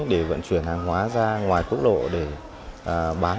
để vận chuyển hàng hóa ra ngoài quốc lộ để bán